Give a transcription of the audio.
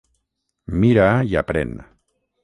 Mira i aprèn.